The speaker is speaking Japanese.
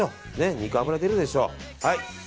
肉の脂、出るでしょう。